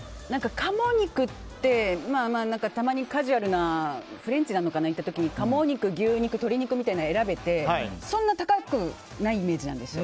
鴨肉って、たまにカジュアルなフレンチなのかな、行った時に鴨肉、牛肉、鶏肉みたいなのが選べてそんな高くないイメージなんです。